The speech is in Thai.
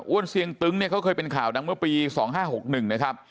อ้วนเสียงตึงเขาเคยเป็นข่าวดังเมื่อปี๒๕๖๑นะครับ